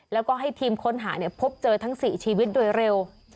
แล้วก็ให้ทีมค้นหาพบเจอทั้ง๔ชีวิตโดยเร็ว